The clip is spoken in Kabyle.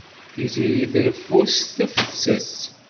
Tiziri treffu s tefses.